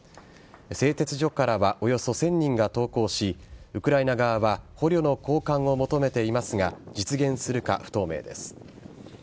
製鉄所からはおよそ１０００人が投降しウクライナ側は捕虜の交換を求めていますが実現するかは不透明です。